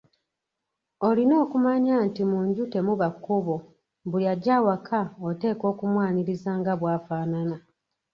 Olina okumanya nti mu nju temuli kkubo, buli ajja awaka oteekwa okumwaniriza nga bw'afaanana.